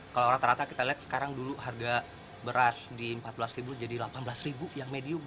kalau rata rata kita lihat sekarang dulu harga beras di rp empat belas jadi rp delapan belas yang medium